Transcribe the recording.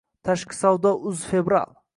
tashqi_savdo_uz_fevral